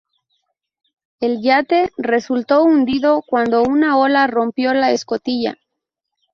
El yate resultó hundido cuando una ola rompió la escotilla.